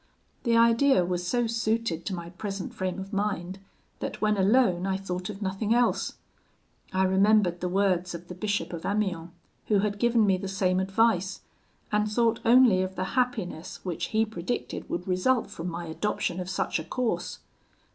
"The idea was so suited to my present frame of mind, that when alone I thought of nothing else. I remembered the words of the Bishop of Amiens, who had given me the same advice, and thought only of the happiness which he predicted would result from my adoption of such a course.